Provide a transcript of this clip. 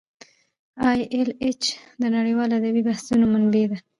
ای ایل ایچ د نړیوالو ادبي بحثونو منبع ده.